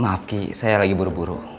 maaf ki saya lagi buru buru